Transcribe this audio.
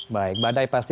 baik badai pasti